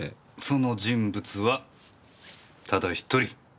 その人物はただ１人。